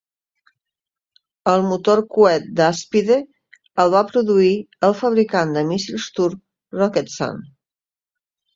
El motor coet d"Aspide el va produir el fabricant de míssils turc Roketsan.